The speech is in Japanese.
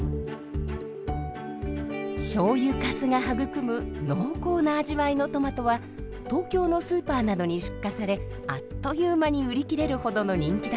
しょうゆかすが育む濃厚な味わいのトマトは東京のスーパーなどに出荷されあっという間に売り切れるほどの人気だそう。